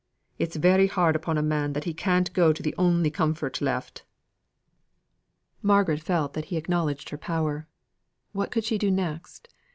It's very hard upon a man that he can't go to the only comfort left." Margaret felt that he acknowledged her power. What could she do next?